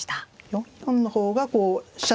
４四の方がこう飛車と角。